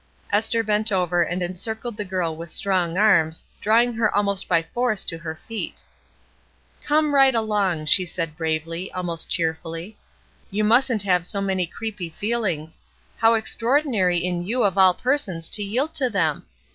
Esther bent over and encircled the girl with strong arms, drawing her almost by force to her feet. "Come right along," she said bravely, al most cheerfully. "You mustn't have so many creepy feeUngs. How extraordinary in you of all persons to yield to them